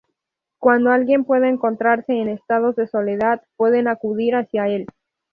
Cuando alguien pueda encontrarse en estados de soledad, pueden acudir hacia el.